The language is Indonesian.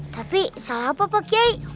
tapi salah apa pak kiayi